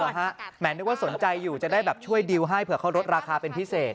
เอาเหรอฮะแหมนว่าสนใจอยู่จะได้ช่วยดีลให้เผื่อเขารดราคาเป็นพิเศษ